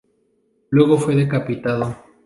Luego fue decapitado.